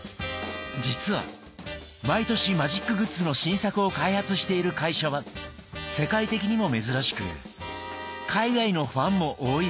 実は毎年マジックグッズの新作を開発している会社は世界的にも珍しく海外のファンも多いそうです。